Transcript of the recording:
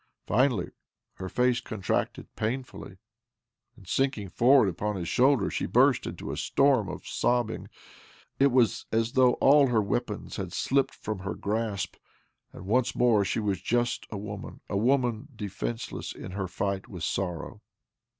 Finally, her face contracted pain fully, and, sinking forward upon his shoulder, she burst into a storm of sobbing. It was as though all her weapons had slipped from her grasp, and once more she was just a woman — a woman defenceless in her fight with sorrow.